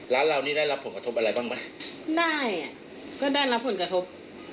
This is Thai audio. ร้านเรานี่ได้รับผลกระทบอะไรบ้างไหมได้อ่ะก็ได้รับผลกระทบ